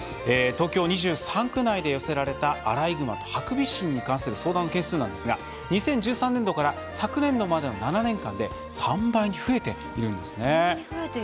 東京２３区内で寄せられたアライグマとハクビシンに関する相談件数なんですが２０１３年度から昨年までの７年間で３倍に増えているんですね。